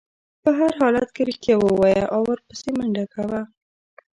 په هر حالت کې رښتیا ووایه او ورپسې منډه کوه.